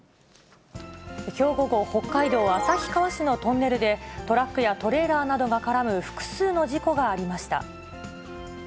きょう午後、北海道旭川市のトンネルで、トラックやトレーラーなどが絡む複数の事故がありました。